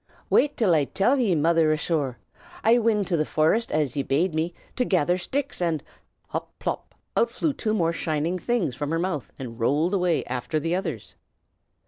"Wait till I till ye, mother asthore! I wint to the forest as ye bade me, to gather shticks, an' " hop! pop! out flew two more shining things from her mouth and rolled away after the others.